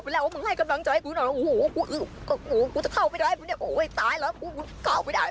นี่ค่ะโอ้โหใส่ชุดอวกาศมาแต่ขาเต๋อนะ